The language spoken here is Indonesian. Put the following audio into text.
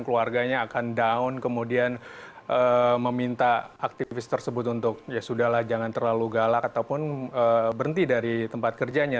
keluarganya akan down kemudian meminta aktivis tersebut untuk ya sudahlah jangan terlalu galak ataupun berhenti dari tempat kerjanya